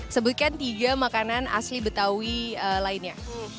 sebutkan tiga makanan asli betawi lainnya